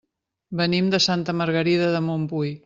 Venim de Santa Margarida de Montbui.